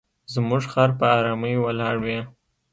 زموږ خر په آرامۍ ولاړ وي.